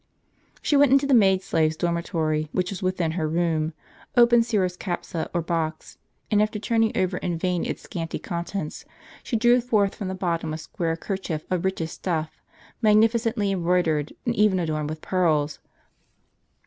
She went into the maid slave's dormitory, which was within her room, opened Syra's capsa or box, and after turn ing over in vain its scanty contents, she drew forth from the bottom a square kerchief of richest stuff, magnificently em broidered, and even adorned with pearls.